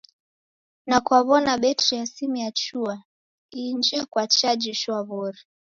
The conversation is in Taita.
Na kaw'ona betri ya simu yachua, iinje kwa chaji shwaw'ori.